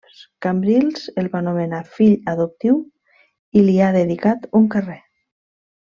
Cambrils el va nomenar fill adoptiu i li ha dedicat un carrer.